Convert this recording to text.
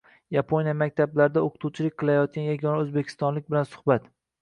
Yaponiya maktablarida o‘qituvchilik qilayotgan yagona o‘zbekistonlik bilan suhbat